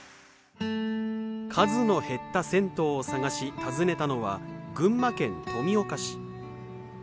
数の減った銭湯を探し訪ねたのは群馬県富岡市。